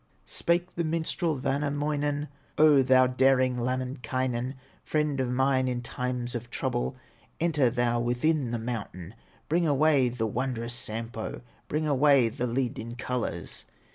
Spake the minstrel Wainamoinen: "O thou daring Lemminkainen, Friend of mine in times of trouble, Enter thou within the mountain, Bring away the wondrous Sampo, Bring away the lid in colors!"